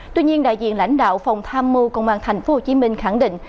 tuy nhiên đại diện lãnh đạo phòng tham mưu công an tp hcm khẳng định